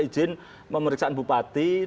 ijin pemeriksaan bupati